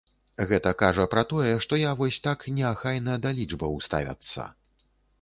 Гэта кажа пра тое, што я вось так неахайна да лічбаў ставяцца.